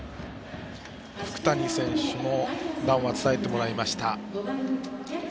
福谷選手の談話を伝えてもらいました。